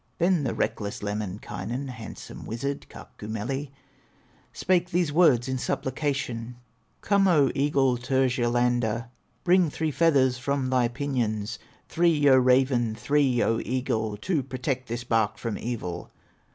Then the reckless Lemminkainen, Handsome wizard, Kaukomieli, Spake these words in supplication: "Come, O eagle, Turyalander, Bring three feathers from thy pinions, Three, O raven, three, O eagle, To protect this bark from evil!"